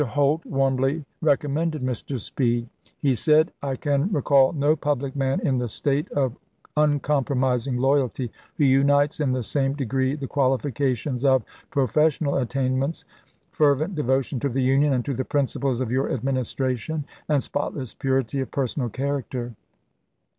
Holt warmly recommended Mr. Speed. He said: Holt to Lincoln, Nov. 30, 1864. MS. 348 ABRAHAM LINCOLN chap. xv. " I can recall no public man in the State, of un compromising loyalty, who unites in the same de gree the qualifications of professional attainments, fervent devotion to the Union and to the principles of your Administration, and spotless purity of per sonal character.